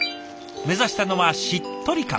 目指したのはしっとり感。